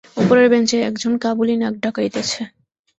উপরের বেঞ্চে একজন কাবুলী নাক ডাকাইতেছে।